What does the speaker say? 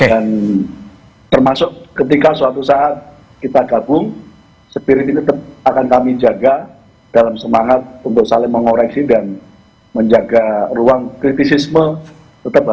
dan termasuk ketika suatu saat kita gabung spirit ini tetap akan kami jaga dalam semangat untuk saling mengoreksi dan menjaga ruang kritisisme